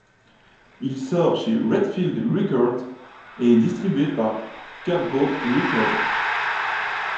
Il sort chez Redfield Records et est distribué par Cargo Records.